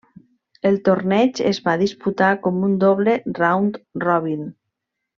El torneig es va disputar com un doble round-robin.